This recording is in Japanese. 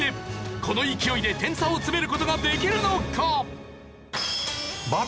この勢いで点差を詰める事ができるのか？